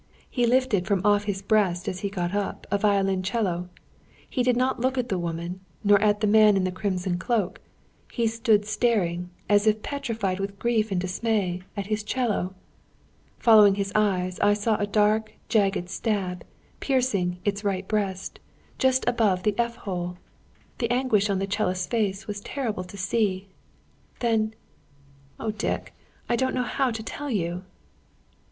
He lifted from off his breast as he got up, a violoncello. He did not look at the woman, nor at the man in the crimson cloak; he stood staring, as if petrified with grief and dismay, at his 'cello. Following his eyes, I saw a dark jagged stab, piercing its right breast, just above the f hole. The anguish on the 'cellist's face, was terrible to see. Then oh, Dick, I don't know how to tell you!"